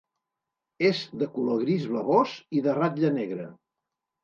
És de color gris blavós i de ratlla negra.